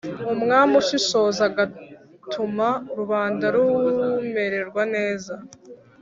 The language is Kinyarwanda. umwami ushishoza agatuma rubanda rumererwa neza.